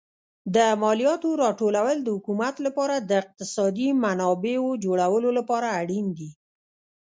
د مالیاتو راټولول د حکومت لپاره د اقتصادي منابعو جوړولو لپاره اړین دي.